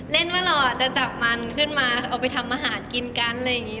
เล่นว่าเราจะจับมันขึ้นมาเอาไปทำอาหารกินกันอะไรอย่างนี้